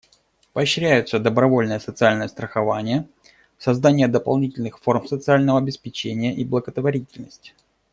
Поощряются добровольное социальное страхование, создание дополнительных форм социального обеспечения и благотворительность.